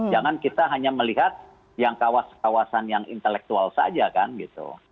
jangan kita hanya melihat yang kawasan kawasan yang intelektual saja kan gitu